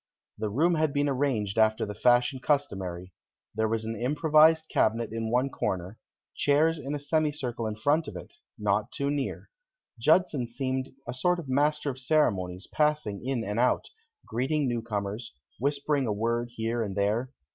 The room had been arranged after the fashion customary. There was an improvised cabinet in one corner, chairs in a semi circle in front of it, not too near. Judson seemed a sort of master of ceremonies, passing in and out, greeting newcomers, whispering a word here and there.